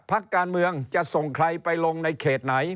พักการเมืองจะส่งใครไปลงในเขตไหน